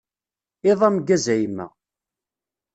Iḍ ameggaz a yemma.